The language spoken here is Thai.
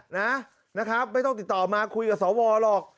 นะครับไม่ต้องติดต่อมาคุยกับสวหรอก